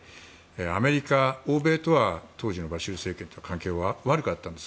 アメリカ、欧米とは当時のバシル政権との関係は悪かったんです。